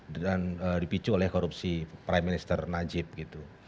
dan dipicu oleh korupsi prime minister najib gitu